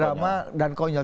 drama dan konyol